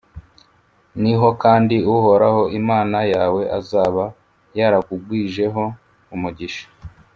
niho kandi uhoraho imana yawe azaba yarakugwijeho umugisha,